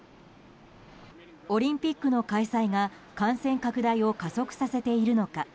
オリンピックの開催が感染拡大を加速させているのか。